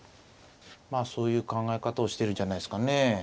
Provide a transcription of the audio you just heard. まあそういう考え方をしてるんじゃないですかね。